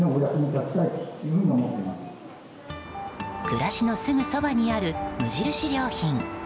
暮らしのすぐそばにある無印良品。